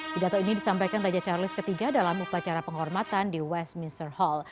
pidato ini disampaikan raja charles iii dalam upacara penghormatan di westminster hall